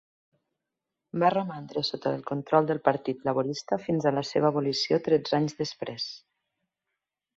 Va romandre sota el control del Partit Laborista fins a la seva abolició tretze anys després.